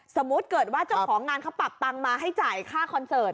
สมมุติเกิดว่าเจ้าของงานเขาปรับตังค์มาให้จ่ายค่าคอนเสิร์ต